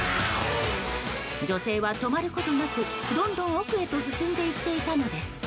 女性は止まることなく、どんどん奥へと進んでいっていたのです。